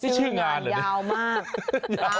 ชื่องานเลยยาวมาก